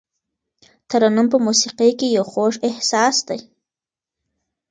ترنم په موسیقۍ کې یو خوږ احساس دی.